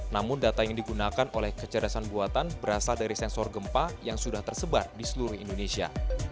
namun data yang digunakan oleh kecerdasan buatan berasal dari sensor gempa yang sudah tersebar di seluruh indonesia